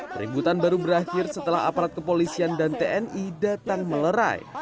peributan baru berakhir setelah aparat kepolisian dan tni datang melerai